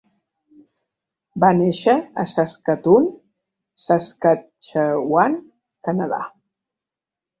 Va néixer a Saskatoon, Saskatchewan, Canadà.